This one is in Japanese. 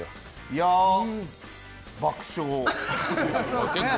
いや、爆笑。